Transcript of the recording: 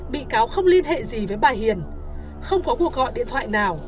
bị cáo không liên hệ gì với bà hiền không có cuộc gọi điện thoại nào